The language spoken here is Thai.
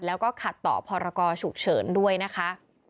แล้วก็ขัดต่อพรกรฉุกเฉินด้วยนะคะ